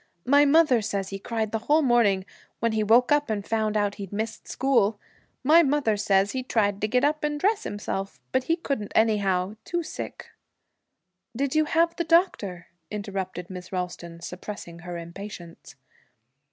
My mother says he cried the whole morning, when he woke up and found out he'd missed school. My mother says he tried to get up and dress himself, but he couldn't anyhow. Too sick.' 'Did you have the doctor?' interrupted Miss Ralston, suppressing her impatience.